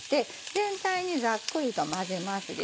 全体にざっくりと混ぜます。